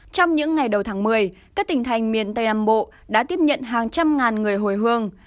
trong những ngày đầu tháng một mươi các tỉnh thành miền tây nam bộ đã tiếp nhận hàng trăm ngàn người hồi hương